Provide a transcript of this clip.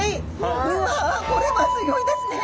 うわこれはすギョいですね！